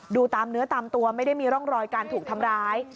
ดูตามเนื้อตามตัวไม่ได้มีร่องรอยการถูกทำร้าย